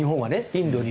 インドに。